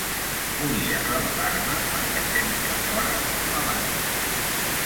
Volia rebel·lar-me perquè sempre fóra com abans.